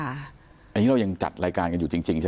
อันนี้เรายังจัดรายการกันอยู่จริงใช่ไหม